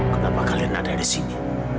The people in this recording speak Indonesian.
kenapa kalian ada di sini